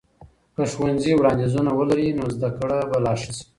که ښوونځي وړاندیزونه ولري، نو زده کړه به لا ښه سي.